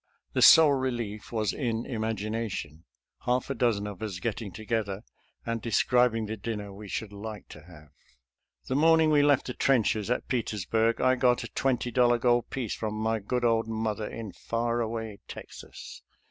The sole relief was in imagination, TBXANS IN VIRGINIA 251 half a dozen of us getting together and describ ing the dinner we should like to have. The morning we left the trenches at Peters burg I got a twenty dollar gold piece from my good old mother in far away Texas.